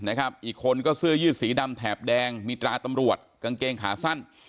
อีกคนก็เสื้อยืดสีดำแถบแดงมีตราตำรวจกางเกงขาสั้น